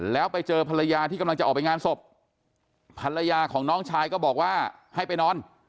แล้วไปเจอภรรยาที่กำลังจะออกไปงานศพภรรยาของน้องชายก็บอกว่าให้ไปนอน